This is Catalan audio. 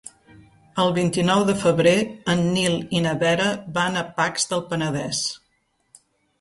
El vint-i-nou de febrer en Nil i na Vera van a Pacs del Penedès.